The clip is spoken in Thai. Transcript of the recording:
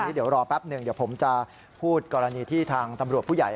เดี๋ยวรอแป๊บหนึ่งเดี๋ยวผมจะพูดกรณีที่ทางตำรวจผู้ใหญ่